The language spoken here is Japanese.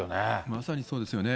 まさにそうですよね。